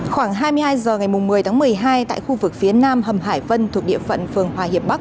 khoảng hai mươi hai h ngày một mươi tháng một mươi hai tại khu vực phía nam hầm hải vân thuộc địa phận phường hòa hiệp bắc